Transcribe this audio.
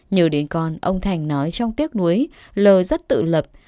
nhờ đến con ông thành nói trong tiếc nuối l rất tự lập